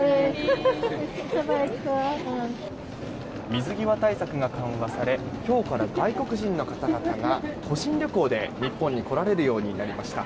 水際対策が緩和され今日から外国人の方々が個人旅行で日本に来られるようになりました。